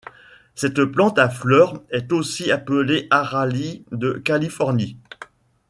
Cette plante à fleur est aussi appelée Aralie de Californie.